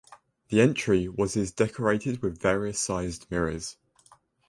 The entry was is decorated with various sized mirrors.